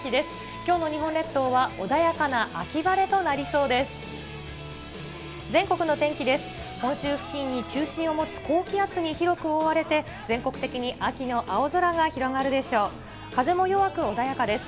きょうの日本列島は穏やかな秋晴れとなりそうです。